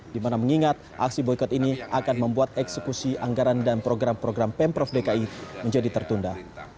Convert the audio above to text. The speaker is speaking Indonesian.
di mana mengingat aksi boykot ini akan membuat eksekusi anggaran dan program program pemprov dki menjadi tertunda